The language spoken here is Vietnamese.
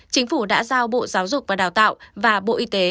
chính phủ đã giao bộ giáo dục và đào tạo và bộ y tế